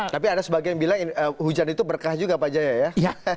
tapi ada sebagian bilang hujan itu berkah juga pak jaya ya